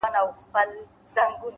له تېروتنو زده کړه ځواک دی’